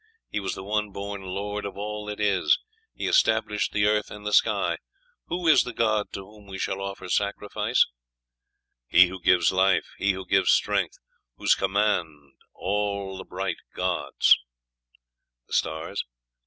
He was the one born Lord of all that is. He established the earth and the sky. Who is the god to whom we shall offer sacrifice? "He who gives life; He who gives strength; whose command all the bright gods" (the stars?)